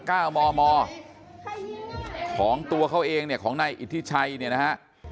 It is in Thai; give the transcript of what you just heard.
เก้ามอมอของตัวเขาเองเนี่ยของนายอิทธิชัยเนี่ยนะฮะ